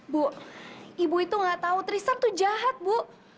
bu ibu itu tidak tahu tristan itu jahat bu